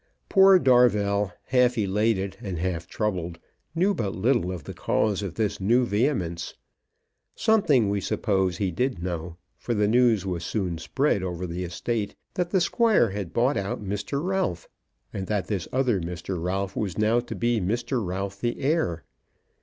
Poor Darvell, half elated and half troubled, knew but little of the cause of this new vehemence. Something we suppose he did know, for the news was soon spread over the estate that the Squire had bought out Mr. Ralph, and that this other Mr. Ralph was now to be Mr. Ralph the heir.